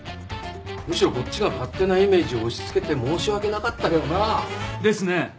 むしろこっちが勝手なイメージを押し付けて申し訳なかったけどな。ですね。